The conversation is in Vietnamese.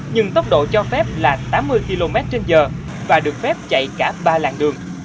nhưng tốc độ cho phép là tám mươi km trên giờ và được phép chạy cả ba làng đường